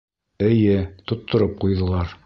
Эйе, тоттороп ҡуйҙылар!